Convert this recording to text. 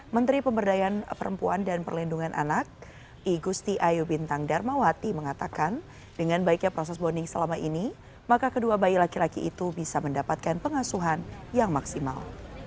menteri pemberdayaan perempuan dan perlindungan anak igusti ayu bintang darmawati mengatakan dengan baiknya proses bonding selama ini maka kedua bayi laki laki itu bisa mendapatkan pengasuhan yang maksimal